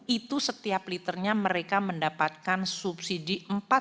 itu setiap liternya mereka mendapatkan subsidi empat delapan ratus